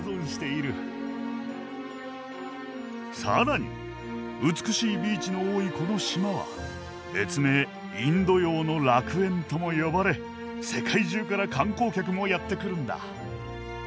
更に美しいビーチの多いこの島は別名「インド洋の楽園」とも呼ばれ世界中から観光客もやって来るんだ。